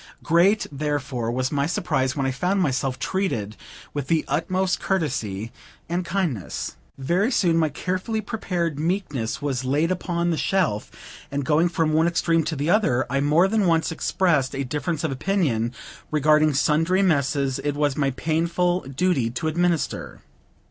Great, therefore, was my surprise, when I found myself treated with the utmost courtesy and kindness. Very soon my carefully prepared meekness was laid upon the shelf; and, going from one extreme to the other, I more than once expressed a difference of opinion regarding sundry messes it was my painful duty to administer.